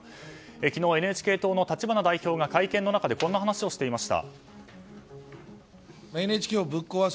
昨日、ＮＨＫ党の立花代表が会見の中でこんな話をしていました。